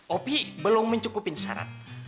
op belum mencukupin syarat